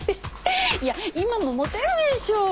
いや今もモテるでしょ！